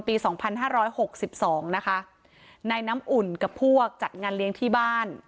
สองพันห้าร้อยหกสิบสองนะคะนายน้ำอุ่นกับพวกจัดงานเลี้ยงที่บ้าน